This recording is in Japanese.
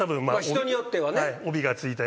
人によってはね。